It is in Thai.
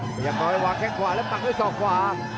พยายามน้อยวางแค่งขวาแล้วปักด้วยศอกขวา